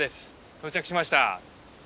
到着しました。